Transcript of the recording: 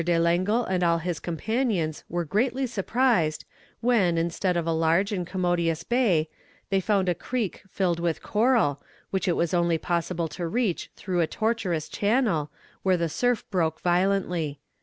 de Langle and all his companions were greatly surprised when, instead of a large and commodious bay, they found a creek filled with coral, which it was only possible to reach through a tortuous channel, where the surf broke violently.